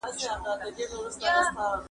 سیلانیان د خپلو کورنیو سره په اړیکه کې دي.